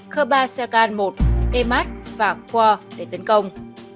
khepa sekhan một emad và khor để tấn công